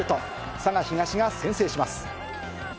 佐賀東が先制します。